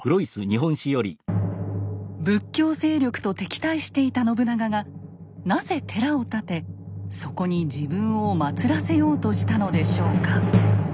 仏教勢力と敵対していた信長がなぜ寺を建てそこに自分をまつらせようとしたのでしょうか？